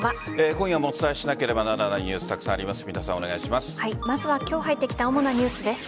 今夜もお伝えしなければならないニュースがたくさんあります。